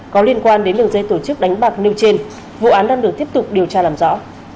có liên quan đến đường dây tổ chức đánh bạc nêu trên vụ án đang được tiếp tục điều tra làm rõ